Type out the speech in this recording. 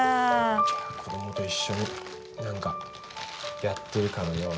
じゃあ子供と一緒に何かやってるかのように。